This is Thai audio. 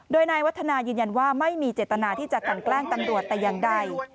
โดยนายวัฒนายืนยันว่าไม่มีเจตนาที่จะกันแกล้งตำรวจแต่อย่างใด